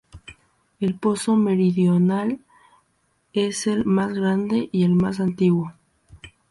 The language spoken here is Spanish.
El pozo meridional es el más grande y el más antiguo.